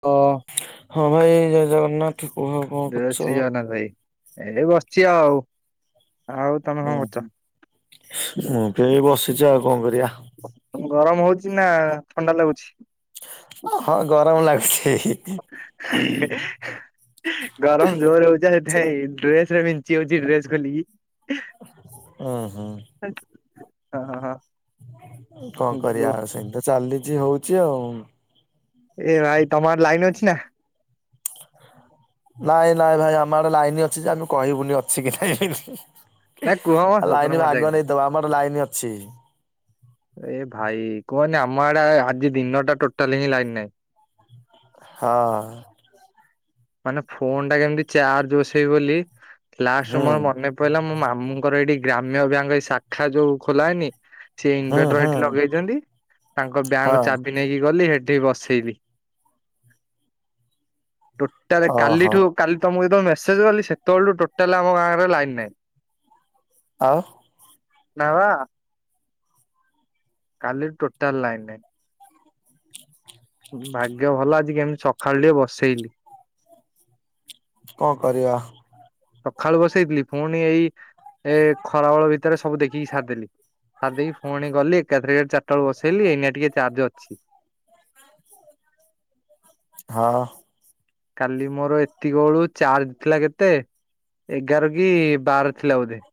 ତ ହଁ ଭାଇ ଜୟ ଜଗନ୍ନାଥ। [unintelligible] ଜୟଶ୍ରୀ ଜଗନ୍ନାଥ ଭାଇ ଏବେ ବସିଛି ଆଉ ଆଉ ତମେ କଣ କରୁଛ ଓହୋ ମୁଁ କେ ବସିଛି ଆଉ କଣ କରିବା? ଗରମ ହଉଛି ନା ଥଣ୍ଡା ଲାଗୁଛି। ହଁଁ ଗରମ ଲାଗ [unintelligible] ଗରମ ଜୋର ହଉଛ ସେଥିଇଁ ଡ୍ରେସରେ ବିଞ୍ଚି ହଉଛି ଡ୍ରେସ ଖୋଲିକି। ହଁ ହଁ। ହ ହଁ ହଁ। କଣ ହଁ ଯୋ କରିବା ଆଉ ସେମି ତ ଚାଲିଛି ହଉଛି ଆଉ। ଏ ଭାଇ ତମର ଲାଇନ ଅଛି ନା? ନାଇଁ ନାଇଁ ଭାଇ ଆମ ଆଡେ ଲାଇନ ଅଛି ଯେ ଆମେ କହିବୁନି ଅଛି କି ନାଇଁ। ନା କୁହ ମ ସତରେ ଲାଇନ ମଜାକ ଆଗ ନାହିଁ। ନେଇଦବା ଆମର ଲାଇନ ଅଛି। ଏ ଭାଇ କୁହନି ଆମ ଆଡା ଆଜି ଦିନଟା ଟୋଟାଲ ହିଁ ଲାଇନ ନାହିଁ। ହଁ। ମାନେ ଫୋନ ଟା କେମିତି ଚାର୍ଜ ବସେଇ ବୋଲି ଲାଷ୍ଟ ହୁଁ। ମୋର ମନେ ପଡିଲା ମୋ ମାମୁଙ୍କର ଏଇଠି ଗ୍ରାମ୍ୟ ବ୍ୟାଙ୍କ ଶାଖା ଯୋଉ ଖୋଲାନି ସେି ହୁଁ ଇନଭେଟର ହୁଁ ସେଠି ଲଗେଇଛନ୍ତି ତାଙ୍କ ହଁ ବ୍ୟାଙ୍କ ଚାବି ନେଇକି ଗଲି ହେଠି ବସେଇଲି। ତାେଲେ ଓହୋ କାଲିଠୁ କାଲି ତମକୁ ଯେତେବେଳେ ମେସେଜ କଲି ସେତେବେଳଠୁ ଟୋଟାଲ ଆମ ଗାଁରେ ଲାଇନ ନାହିଁ। ଆଉ ନବା କାଲି ଟୋଟାଲ ଲାଇନ୍ ନାଇ ଭାଗ୍ୟ ଭଲ ଆଜି କେମିତି ସକାଳୁ ଟିକେ ବସେଇଲି। କଣ କରିବା? ସକାଳୁ ବସେଇଥିଲି ପୁଣି ଏଇ ଏ ଖରାବେଳ ଭିତରେ ସବୁ ଦେଖିକି ସାରିଦେଲି। ସା ଦେଇକି ଫୁଣି ଗଲି ଏକାଥରେ ଚାରିଟା ବଳ ବସେଇଲି ଏଇନଆ ଟିକେ ଚାର୍ଜ ଅଛି। ହଁ। କାଲି ମୋର ଏତିକି ବେଳୁ ଚାର୍ଜ ଥିଲା କେତେ ଏଗାର କି ବାର ଥିଲା ବୋଧେ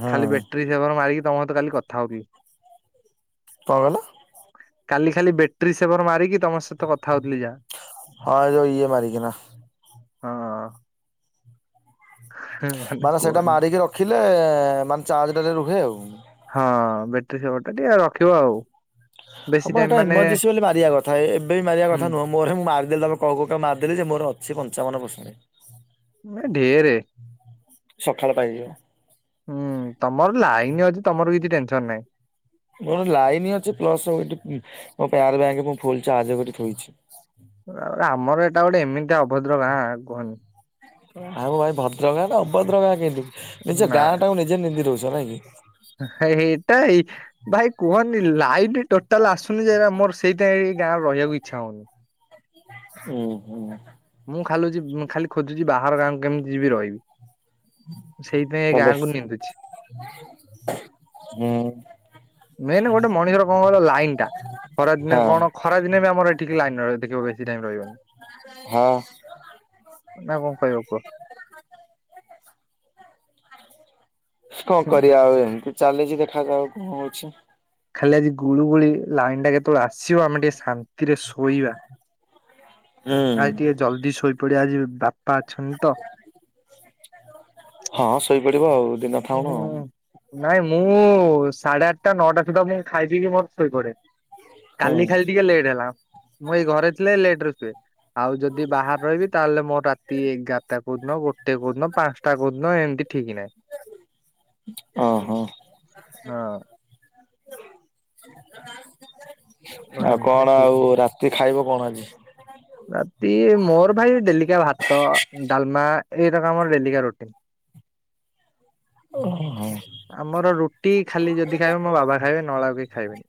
ହଁ ଖାଲି ବେଟରୀର [unintelligible] ମାରିକି ତମ ସହିତ କାଲି କଥା ହଉ ଥିବି। କଣ କହିଲ? କାଲି ଖାଲି ବ୍ୟାଟେରୀ ସେଭର ମାରିକି ତମ ସହିତ କଥା ହଉଥିଲି ଯାହା। ହଁ ଏ ଯଉ ଇଏ ମାରିକି ନା। ହଁ ମାନେ ସେଇଟା ମାରିକି ରଖିଲେ ମାନେ ଚାର୍ଜଟାରେ ରୁହେ ଆଉ। ହଁ ବେଟେରୀ ସେବର୍ ଟା ଟିକେ ରଖିବ ଆଉ। ବେଶୀ ଆପଣ ଟାଇମ୍ ହେଟା ମାନେ ଏମଜେସି ବୋଲି ମାରିବା କଥା ଏବେ ବି ମାରିବା ହୁଁ କଥା ନୁହଁ। ରୁହେ ମୁଁ ମାରଦେଲି ତମେ କ ଗୋଟେ ମାରଦେଲି ଯେ ମୋର ଅଛି ପଞ୍ଚାବନ ପର୍ସେଣ୍ଟ। ଏ ଢେରେ। ସକାଳ ପାଇଯିବ। ହୁଁ ତମର ଲାଇନ ଅଛି ତମର କିଛି ଟେନସନ ନାହିଁ। ମୋର ଲାଇନ ଅଛି ପ୍ଲସଠି ମୋ ପାର ବ୍ୟାଙ୍କ ମୁଁ ଫୁଲ ଚାର୍ଜ କରିକୀ ଥୋଇଛି। ଆମର ଏଇଟା ଗୋଟେ ଏମିତି ଅଭଦ୍ର ଗାଁ କୁହନି। ଆଉ ଭାଇ ଭଦ୍ର ଗାଁ ନା ଅଭଦ୍ର ଗାଁ କେମତି ନିଜ ଗାଁ ଟା ନିଜେ ନିନ୍ଦି ଦୋଉଚ ନାଇଁ କି। ହେ ହେଇଟା ହେଇ ଭାଇ କୁହନି ଲାଇଟ ଟୋଟାଲ ଆସୁନି ଯେ ଆମର ସେଇଥିପାଇଁ ଏ ଗାଁରେ ରହିବାକୁ ଇଛା ହଉନି। ହୁଁ ହୁଁ ମୁଁ ଖାଲିଛି ଖାଲି ଖୋଜୁଛି ବାହାର ଗାଁକୁ କେମିତି ଯିବି ରହିବି। ସେଇଥିପାଇଁ ଏ ହାଲୋ ଗାଁକୁ ନିନ୍ଦୁଛି। ହୁଁ ମେନ୍ ଗୋଟେ ମଣିଷର କଣ କହିଲ ଲାଇନ୍ ଟା। ଖରା ଦିନେ ହଁ କଣ ଖରା ଦିନ ବି ଆମର ଟିକେ ଲାଇନ ଦେଖିବ ବେଶୀ ଟାଇମ ରହିବନି। ହଁ ନା କଣ କହିବ କୁହ? କଣ ହୁଁ କରିବା ଆଉ ଏମିତି ଚାଲିଛି ଦେଖା ଯାଉ ଆଉ କଣ ହଉଛି। ଖାଲି ଆଜି ଗୁଳୁ ଗୁଳି ଲାଇନ ଟା କେତେବେଳେ ଆସିବ ଆମେ ଟିକେ ଶାନ୍ତିରେ ଶୋଇବା। ଆଜି ଟିକେ ହୁଁ ଜଲଦି ଶୋଇପଡିବା ଆଜି ବାପା ଅଛନ୍ତି ତ। ହଁ ଶୋଇପଡିବ ଆଉ ଦିନ ଥାଉଣୁ ଆଉ। ହୁଁ ନାଇଁ ମୁଁ ସାଢେ ଆଠଟା ନଅଟା ସୁଦ୍ଧା ମୁଁ ଖାଇଦେଇକି ମୋର ଶୋଇପଡେ। କାଲି ଖାଲି ଟିକେ ଲେଟ୍ ହେଲା ମୁଁ ଏଇ ଘରେ ଥିଲେ ଲେଟ ରେ ଶୁଏ। ଆଉ ଯଦି ବାହାରେ ରହିବି ତାହେଲେ ମୋ ରାତି ଏଗାରଟା କୋଦିନ ଗୋଟେ କୋଦିନ ପାଞ୍ଚଟା ଟା କୋଉଦିନ ଏମିତି ଠିକ୍ ନାହିଁ। ଓ ହୋ ହଁ ଆଉ ସେମିତିରେ କଣ ଠିକ ଆଉ ନାହିଁ। ରାତି ଖାଇବ କଣ ଆଜି? ରାତି ମୋର ଭାଇ ଡେଲିକା ଭାତ ଡାଲମା ଏରାକ ଆମର ଡେଲିକା ରୁଟିନ। ଓ ହ ଆମର ରୁଟି ଖାଲି ଯଦି ଖାଇବେ ମୋ ବାବା ଖାଇବେ ନହେଲେ ଆଉ କେହି ଖାଇବେନି।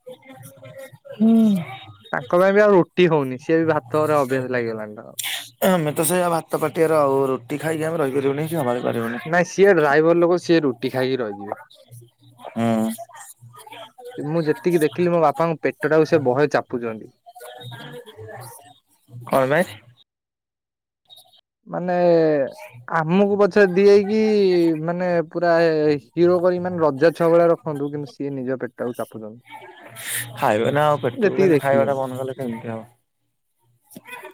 ହୁଁ ତାଙ୍କ ପାଇଁ ବି ଆଉ ରୁଟି ହଉନି ସିଏ ବି ଭାତ ଘରେ ଅଭ୍ୟାସ ଲାଗିଗଲାଣି ତାଙ୍କର। ଆମେ ତ ସେଇଆ ଭାତ ପାଟିଆର ଆଉ ରୁଟି ଖାଇକି ଆମେ ରହିପାରିବୁନି କି ସମ୍ଭାଳି ପାରିବୁନି। ଯିଏ ଡ୍ରାଇଭର ଲୋକ ସିଏ ରୁଟି ଖାଇକି ରହିଯିବେ। ହୁଁ ମୁଁ ଯେତିକି ଦେଖିଲି ମୋ ବାପାଙ୍କ ପେଟାକୁ ସେ ବହେ ଚାପୁଛନ୍ତି। [inaudible] କଣ ପାଇଁ? ମାନେ [inaudible] ଆମକୁ ପଛରେ ଦିଇକି ମାନେ ପୁରା ହିରୋ କରିକି ମାନେ ରଜା ଛୁଆ ଭଳି ର ସିଖନ୍ତୁ କିନ୍ତୁ ସିଏ ନିଜ ପେଟ ଟାକୁ ଚାପୁଚନ୍ତି। ଖାଇବେ ନା ଆଉ ପେଟକୁ କେମିତି ଖାଇବାଟା ବ ନ ଖାଇଲେ କେମିତି ହବ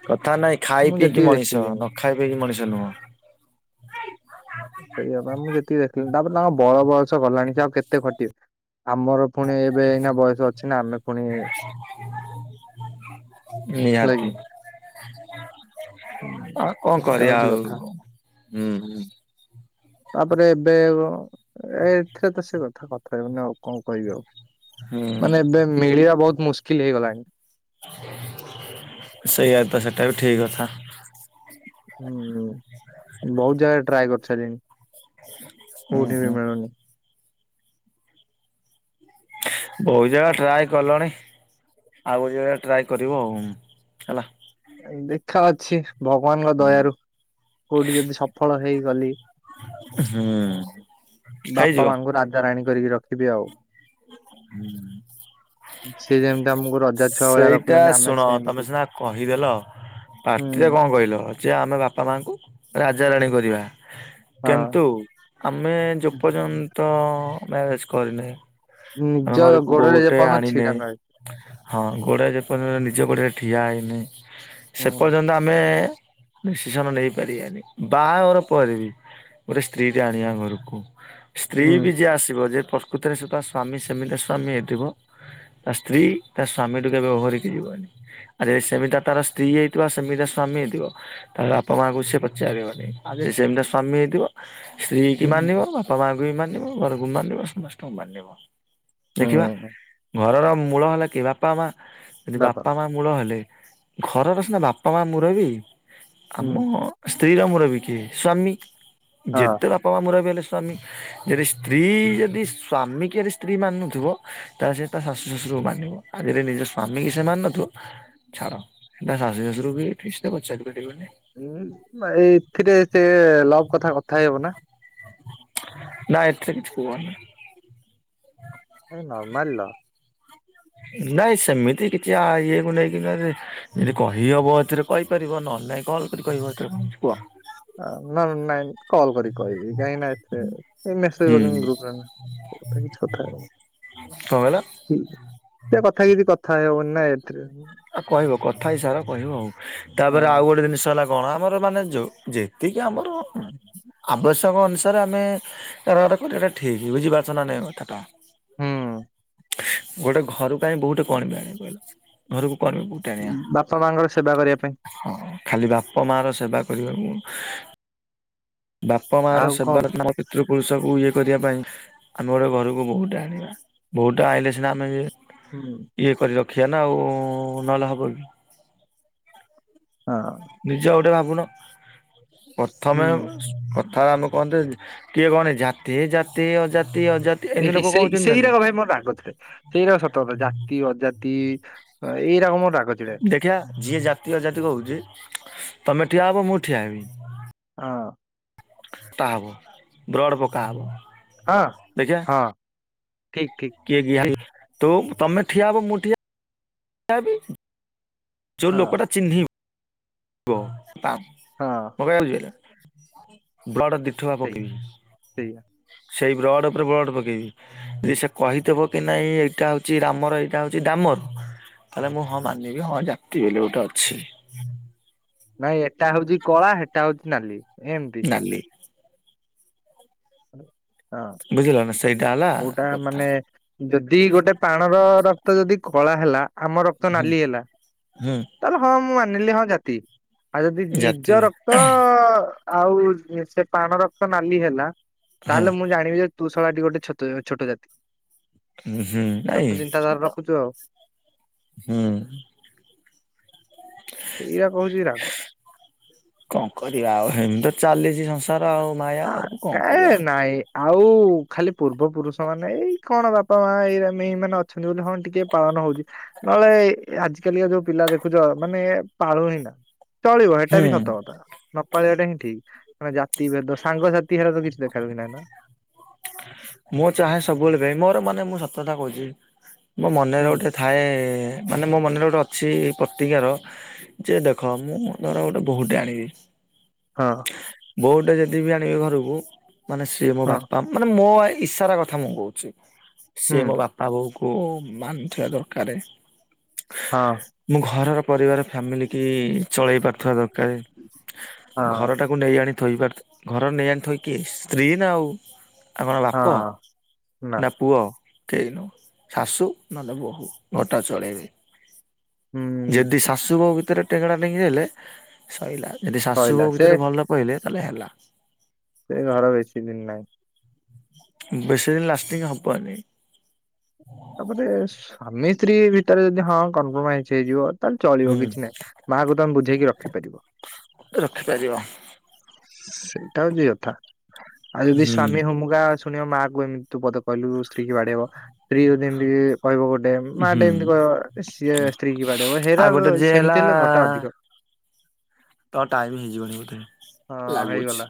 କଥା ନାଇଁ ଖାଇ ମୁଁ ପିଇକି ଯେତିକି ମଣିଷ ଦେଖିଲିଣି ନ ଖାଇ ପିଇକି ମଣିଷ ନୁହଁ। ସେଇଆ ପାଇଁ ମୁଁ ଯେତିକି ଦେଖିଲି ତାପରେ ତାଙ୍କ ବଳ ବୟସ ଗଲାଣି ସେ ଆଉ କେତେ ଖଟିବେ। ଆମର ପୁଣି ଏବେ ଏଇନା ବୟସ ଅଛି ନା ଆମେ ପୁଣି କି ନିହାତି। ହୁଁ ଆ କଣ ସେଇଟା କରିବା ହଉଛି ଆଉ କଥା ହୁଁ ହୁଁ। ତାପରେ ଏବେ ବ ଏଥିରେ ତ ସେ କଥା କଥା ହେଉନି ଆଉ କଁ କହିବି ଆଉ। ହୁଁ ମାନେ ଏବେ ମିଳିବା ବହୁତ ମୁସ୍କିଲ ହେଇଗଲାଣି। ସେଇଆ ତ ସେଟା ବି ଠି କଥା। ହୁଁ ବହୁତ୍ ଜାଗାରେ ଟ୍ରାଏ କରଛାଲିଣି ହୁଁ କୋଉଠି ହୁଁ ବି ମିଳୁନି। ବହୁତ ଜାଗା ଟ୍ରାଏ କଲଣି ଆଉ ଗୋଟେ ଜାଗାରେ ଟ୍ରାଏ କରିବ ଆଉ ହେଲା। ଦେଖା ଅଛି। ଭଗବାନଙ୍କ ଦୟାରୁ କୋଉଠି ଯଦି ସଫଳ ହେଇଗଲି। ହୁଁ ହେଇଯିବ। ଧାରାଇଣି କରିକି ରଖିବି ଆଉ। ସିଏ ଯେମିତି ଆମକୁ ରଜା ଛୁଆ ଭଳିଆ ସେଇଟା ରଖୁଛନ୍ତି ଆମେ ଶୁଣ ତମେ ସେମିତି ସିନା କହିଦେଲ ହୁଁ ପାଟିରେ କଁ କହିଲ ଯେ ଆମେ ବାପା ମାଙ୍କୁ ରାଜାରାଣୀ କରିବା ହଁ କିନ୍ତୁ ଆମେ ଯୋପର୍ଯ୍ୟନ୍ ତ ମ୍ୟାରେଜ କରିନେ ଆମ ନିଜ ଘରକୁ ଗୋଡରେ ବୋଟେ ଯେପର୍ଯ୍ୟନ୍ତ ଆଣିନେ ଛିଡା ନ ହେଇଛି ହଁ ଘୋଡ଼ା ଜେପର୍ଜନ୍ତ୍ ନିଜ ଗୋଡରେ ଠିଆ ହେଇନି ସେ ହୁଁ ପର୍ଯ୍ୟନ୍ତ ଆମେ ଡିସିସନ ନେଇ ପାରିବାନି ବାହା ଘର ପରେବି ଗୋଟେ ସ୍ତ୍ରୀ ଟା ଆଣିବା ଘରକୁ ସ୍ତ୍ରୀ ହୁଁ ବି ଯିଏ ଆସିବ ଯେ ପ୍ରକୃତିରେ ସେ ତା ସ୍ଵାମୀ ସେମିତି ସ୍ୱାମୀ ହେଇଥିବ ତା ସ୍ତ୍ରୀ ତା ସ୍ଵାମୀଠୁ କେବେ ଓହରିକି ଯିବନି। ଆରେ ସେମିତି ତାର ସ୍ତ୍ରୀ ହେଇଥିବ ସେମିତି ସ୍ୱାମୀ ହେଇଥିବ ତାହେଲେ ବାପା ମାଆ କଙ୍କୁ ସିଏ ପଚାରିବନି। ଆଉଜ୍ ସେମିତି ସ୍ୱାମୀ ହେଇଥିବ ସ୍ତ୍ରୀ କି ମାନିିବ ବାପା ମାଁଙ୍କୁବି ମାନିବ ବାରକୁ ମାନିବ ସମସ୍ତଙ୍କୁ ମା। ଦେଖିବା ହୁଁ ଘରର ମୂଳ ହେଲା କି ବାପା ମା ଯଦି ବାପା ମା ମୂଳ ହେଲେ ଘରର ସିନା ବାପା ମାଁ ମୁରବି ହୁଁ ଆମ ସ୍ତ୍ରୀରାମର ବି କିଏ ସ୍ଵାମୀ। ହଁ ଯେତେ ବାପ ପ ମୁରବି ହେଲେ ସ୍ଵାମୀ ଯଦି ସ୍ତ୍ରୀ ଯଦି ସ୍ଵାମୀ କେରେସ ସ୍ତ୍ରୀ ମାନୁଥିବ ତାଲେ ସେ ତା ଶାଶୁ ଶ୍ୱଶୁରକୁ ମାନିବ ଆଜିରେ ନିଜ ସ୍ୱାମୀ କିସେ ମାନୁଥିବ ଛାଡ ଏଟା ଶାଶୁ ଶାଶୁରରୁ ବି କିଛତ ପଚାରି ପରିବନି। ଉଁ ଭାଇ ଏଥିରେ ସେ ଲଭ କଥା କଥା ହେଇବ ନା? ନା ଏଥିରେ କିଛି କୁହନି। ଏଇ ନର୍ମାଲ। ନାଇଁ ସେମିତି କିଛି ଇଏକୁ ନେଇକି [unintelligible] ଯଦି କହିହବ ଏଥିରେ କହିପାରିବ ନହେଲୋଇଁ କଲ୍ କରି କହିବ ଏଥୀରେ କଁଅଛି କୁହ। ହ ନନ ନାଇଁ କଲ୍ କରିିକ କହିବି କାହିଁକ ନା ଏଥିରେ ଏଇ ମେସେସ ହୁଁ କରଚନ୍ତୀ ଗ୍ରୁପ୍ ରେନା କଥା କିଛି କଥା କଁ ଗଲ? ସେ କଥା କିିଥି କଥା ହେଇ ହେବନି ନା ଏଥିରେ ଆ କହିବ କଥା ହିସାର କହିବ ଆଉ ହଁ ତାପରେ ଆଉ ଗୋ ଗୋଟେ ଜିନିଷ ହେଲା କଣ ଆମର ମାନେ ଯେତିକି ଆମର ଆବଶ୍ୟକ ଅନୁସାରେ ଆମେ କାରାବାର କରିବାଟା ଠିକ ବୁଝିପାରୁଚ ନା ନାଇଁ କଥାଟା? ହୁଁ। ଗୋଟେ ଘରକୁ ଆଣ ବହୁତେ କଣିବା ଆଣେ କହିଲ? ଘରକୁ କଣିବ ବହୁ ବାପା ମାଙ୍କର ସେବା କରିବା ପାଇଁ। ହଁ ଖାଲି ବାପା ମା ର ସେବା କରିବାକୁ ବାପା ମା ର ଆଉ କଣ ସେବା ତନ୍ତ୍ନ ପିତୃ ପୁରୁଷକୁ ଇଏ କରିବା ପାଇଁ ଆମେ ଗୋଟେ ଘରକୁ ବହୁତେ ଆଣିବା। ବହୁତା ଆଇଲେ ସିନା ଆମେ ଏ ହୁଁ। ଇଏ କରି ରଖିବା ନା ଆଉ ନହେଲେ ହବ କି। ହଁ ନିଜେଉ ଗୋଟେ ଭାବୁନ ପ୍ରଥମେ ହୁଁ ପ୍ର ଥର ଆମେ କହନ୍ତେ କିଏ କଣ ଜାତି ଜାତି ଅଜାତି ଅଜା ଏ ସେଇ ସେଇଟାକ ଭାଇ ମୋର ରାଗଚିଡେ। ସେଇଟାକ ସତ କଥା ଜାତି ଅଜାତି ଏଇରକମ ରାଗ ଚିଡେ। ଦେଖିଆ ଯିଏ ଜାତି ଅଜାତି କହୁଛି ତମେ ଠିଆ ହବ ମୁଁ ଠିଆ ହେବି। ହଁ। ବାପ ବ୍ରଡ଼ ପକା ହବ। ହଁ ଦେଖିଆ ହଁ ଠିକ ଠିକ। କିଏ ତ ତମେ ଠିଆବ ମୁଠିଆ ହେବି। ଯୋଉ ହଁ ଲୋକଟା ଚିହ୍ନିବ କହ ତା ହଁ ମ କଛି ବ୍ଲଡ଼ ଉଠୁଆ ସେଇ ପକେଇବି ସେଇ ସେଇ ବ୍ଲଡ ଉପରେ ବ୍ଲଡ ପକେଇବି। ଯେ ସେ କହିଥିବ କି ନାଇଁ ଏଇଟା ହଉଛି ରାମର ଏଇଟା ହଉଛି ଦାମର। ତାହଲେ ମୁଁ ହଁ ମାନିବି ହଁ ଜାତି ବୋଲି ଗୋଟେ ଅଛି। ନାଇଁ ଏଟା ହଉଛି କଳା ସେଟା ହଉଛି ନାଲି ଏମତି। ନାଲି। ହଁ ବୁଝିଲ ନା ସେଇଟା ହେଲା କୋଉଟା କଥା ମାନେ ଯଦି ଗୋଟେ ପାଣର ରକ୍ତ ଯଦି କଳା ହେଲା ଆମ ରକ୍ତ ହୁଁ ନାଲି ହେଲା। ହୁଁ ତାହେଲେ ହଁ ମୁଁ ମାନିଲି ହଁ ଜାତି ଆଉ ଯଦି ଜାତି ନିଜ ରକ୍ତ ଆଉ ସେ ପାଣ ରକ୍ତ ନାଲି ହେଲା। ହଁ ତାହେଲେ ମୁଁ ଜାଣିବି ଯେ ତୁଷଳାଟି ଗୋଟେ ଛୋଟ ଛୋଟ ଜାତି। ହଁ ହୁଁ ଛୋଟ ନାଇଁ ଚିନ୍ତାଧାରା ରଖୁଛୁ ଆଉ ହୁଁ। ସେଇଆ କହୁଛି ରାଗ। କଣ କରିବା ଆଉ ହେମିତି ତ ଚାଲିଛି ସବୁ। ହଁ କାଇ ନା ଆଉ ଖାଲି ପୂର୍ବ ପୁରୁଷ ମାନେ ଏଇ କଣ ବାପା ମା ଏଇେ ମାନେ ଅଛନ୍ତି ବୋଲି ହଁ ଟିକେ ପାଳନ ହଉଛି ନହେଲେ ଆଜିକାଲିିକା ଯୋଉ ପିଲା ଦେଖୁଛ ମାନେ ପାଳୁ ହିଁ ନା ଚଳିବ ସେଟା ହୁଁ ବି ସତକଥା ନପଳିବାଟା ହିଁ ଠିକ ମେ ଜାତି ଭେଦ ସାଙ୍ଗସାଥି ହେଲେ ତ କିଛି ଦେଖା କି ନାଇଁ ପା। ମୁଁ ଚାହେଁ ସବୁବେଳେ ଭାଇ ମୋର ମନେ ମୁଁ ସତ କଥା କହୁଛି ମୋ ମନରେ ହୁଁ। ଗୋଟେ ଥାଏ ମାନେ ମୋ ମନରେ ଗୋଟେ ଅଛି ପ୍ରତିକାର। ଯେ ଦେଖ ମୁଁ ଧର ଗୋଟେ ବୋହୁଟେ ଆଣିବି। ହଁ। ବୋଉଟେ ଯଦି ବି ଆଣିବେ ଘରକୁ ମାନେ ସିଏ ମୋ ହଁ ବାପା ମାନେ ମୋ ଇଷାରା କଥା ମୁଁ କହୁଛି ହୁଁ ସିଏ ମୋ ବାପା ଆଉ ବୋଉକୁ ମାନୁଥିବା ଦରକାର। ହଁ। ମୁଁ ଘରର ପରିବାର ଫ୍ୟାମିଲି କି ଚଳେଇ ପାରୁଥିବା ଦରକାର ହଁ ଘରଟା ନେଇ ଆଣି ଥୋଇ ପାର ଘରର ନେଇ ଆଣିଥୋଇକି ସ୍ତ୍ରୀ ନା ଆଉ। ଆ କଣ ବାପ ହଁ ନା ପୁଅ। କି ଶାଶୁ ନହେଲେ ବୋହୂ ଘଟା ଚଳେଇବେ। ହୁଁ। ଯଦି ଶାଶୁ ବୋଉ ଭିତରେ ଟେଙ୍ଗଡ଼ା ଟେଙ୍ଗି ହେଲେ ସଇଲା ଯଦି ଶାଶୁ ସଇଲା ବାଉ ସେ ଭିତରେ ଭଲ କହିଲେ ତାହେଲେ ହେଲା। ସେ ଘର ବେଶୀ ଦିନ ନାହିଁ। ବେଶିଦିନ ଲାଷ୍ଟିଂ ହବନି। ତାପରେ ସ୍ୱାମୀ ସ୍ତ୍ରୀ ଭିତରେ ଯଦି ହଁ କମ୍ପ୍ରମାଇଜ ହେଇଯିବ। ତାହେଲେ ଚଳିବ ହୁଁ କିଛି ନାହିଁ ମାଆ କୁ ତ ଆମେ ବୁଝେଇକି ରଖିପାରିବା। ରଖିପାରିବା। ସେଇଟା ହଉଛି କଥା ଆଉ ଯଦି ହୁଁ ସ୍ଵାମୀ ହମୁକା ଶୁଣିବ ମା କ ଏମିତି ତୁ ପଦେ କହିଦବୁ ସ୍ତ୍ରୀକି ବାଡେଇବ। ସ୍ତ୍ରୀ ଯ ଯେମିତି କହିବ ଗୋଟେ ମା ହୁଁ ଟେ ଏମିତି କହିବ ସିଏ ସ୍ତ୍ରୀ କି ବାଡେଇବ ହେରା ସେମିତି ହେଲେ ଭଲ ହ ତ ଟାଇମ ହେଇଯିବଣି ବୋଧେ। ହଁ ଲାଗୁଛି ହେଇଗଲା।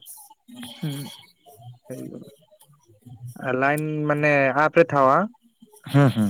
ଆଲାଇନ ମାନେ ଆପ ରେ ଥାଅ ହା। ହୁଁ ହୁଁ